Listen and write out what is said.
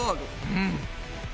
うん！